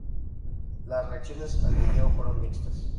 Las reacciones al vídeo fueron mixtas.